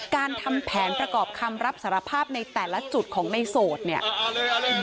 การทำแผนประกอบคำรับสารภาพในแต่ละจุดของในโสดเนี้ยเอาเลยเอาเลย